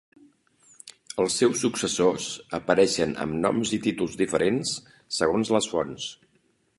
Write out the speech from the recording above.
Els seus successors apareixen amb noms i títols diferents segons les fonts.